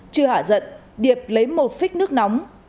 chưa hả giận điệp lấy một phít nước nóng